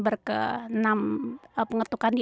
bukan dikawal dari ru kuhp sekarang ini setengah ajaib itu